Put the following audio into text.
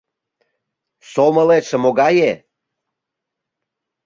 Сомылетше могае?